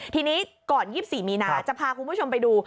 ทีนี้ก่อน๒๔มีนาจะพาคุณผู้ชมไปดู